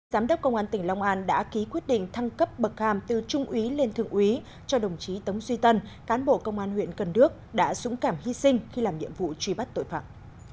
giám đốc công an tỉnh long an đã ký quyết định thăng cấp bậc hàm từ trung úy lên thượng úy cho đồng chí tống duy tân cán bộ công an huyện cần đước đã dũng cảm hy sinh khi làm nhiệm vụ truy bắt tội phạm